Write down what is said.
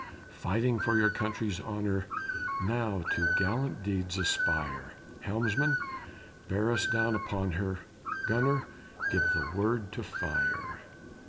Fighting for your country's honor, Now to gallant deeds aspire; Helmsman, bear us down upon her, Gunner, give the word to fire!"